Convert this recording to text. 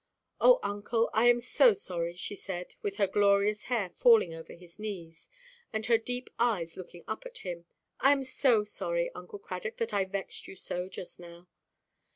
"Oh, uncle, I am so sorry," she said, with her glorious hair falling over his knees, and her deep eyes looking up at him, "I am so sorry, Uncle Cradock, that I vexed you so, just now."